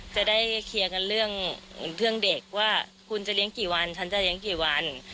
จะได้เคลียร์กันเรื่องเด็กว่าคุณจะเลี้ยงกี่วันฉันจะเลี้ยงกี่วัน